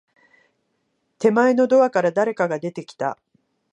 手前のドアから、誰かが出てきた。